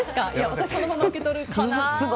私そのまま受け取るかな。